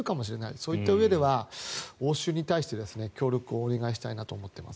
そういったうえでは押収に対して協力をお願いしたいなと思っています。